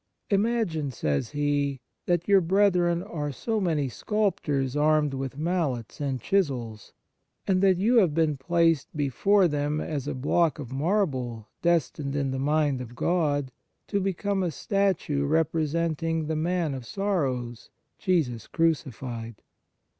" Imagine," says he, " that your brethren are so many sculptors armed with mallets and chisels, and that you have been placed before them as a block of marble destined in the mind of God to become a statue representing the Man of Sorrows, Jesus crucified."